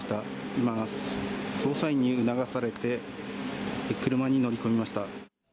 今、捜査員に促されて、車に乗り込みました。